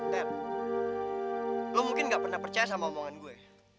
ter lo mungkin gak pernah percaya sama omongan gue